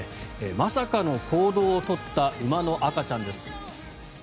まさかの行動を取った馬の赤ちゃんです。